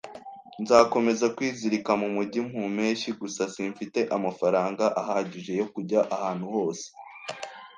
Nzakomeza kwizirika mu mujyi mu mpeshyi. Gusa simfite amafaranga ahagije yo kujya ahantu hose